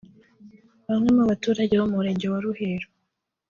Bamwe mu baturage bo mu Murenge wa Ruheru